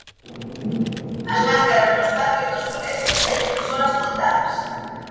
A máscaras nos patios dos colexios teñen as horas contadas.